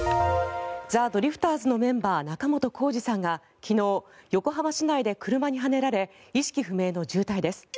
ザ・ドリフターズのメンバー仲本工事さんが昨日、横浜市内で車にはねられ意識不明の重体です。